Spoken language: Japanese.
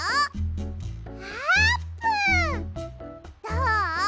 どう？